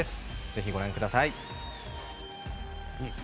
ぜひ、ご覧ください。